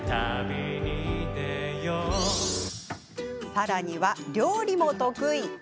さらには料理も得意。